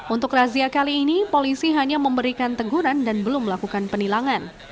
untuk razia kali ini polisi hanya memberikan teguran dan belum melakukan penilangan